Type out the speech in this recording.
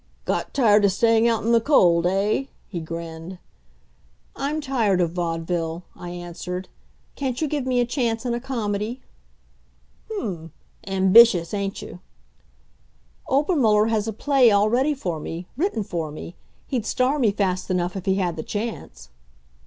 "Got tired of staying out in the cold eh?" he grinned. "I'm tired of vaudeville," I answered. "Can't you give me a chance in a comedy?" "Hm! Ambitious, ain't you?" "Obermuller has a play all ready for me written for me. He'd star me fast enough if he had the chance."